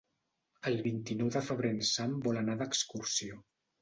El vint-i-nou de febrer en Sam vol anar d'excursió.